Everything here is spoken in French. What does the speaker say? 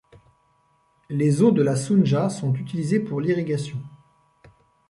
Les eaux de la Sounja sont utilisées pour l'irrigation.